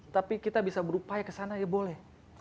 tapi kita bisa berupaya kesana ya boleh